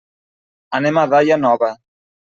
Anem a Daia Nova.